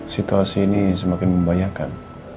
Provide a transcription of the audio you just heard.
situasi ini semakin membanyakan